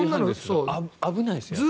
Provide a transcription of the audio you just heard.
危ないですよね。